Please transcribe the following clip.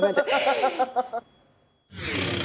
ハハハハ！